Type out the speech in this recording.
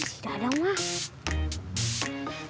isi dadang lah